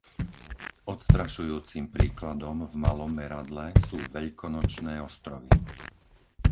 Odstrašujúcim príkladom v malom meradle sú Veľkonočné ostrovy.